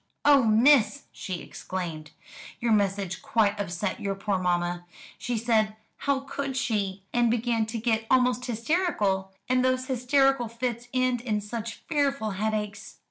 "Oh, miss!" she exclaimed, "your message quite upset your poor mamma. She said, 'How could she?' and began to get almost hysterical. And those hysterical fits end in such fearful headaches."